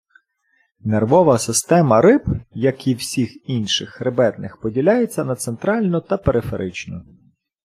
Нервова система риб, як і всіх інших хребетних, поділяється на центральну та периферичну.